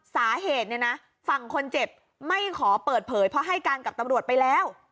สาเหตุเนี่ยนะฝั่งคนเจ็บไม่ขอเปิดเผยเพราะให้การกับตำรวจไปแล้ว